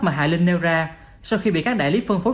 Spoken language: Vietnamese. mà hạ linh nêu ra sau khi bị các đại lý phân phối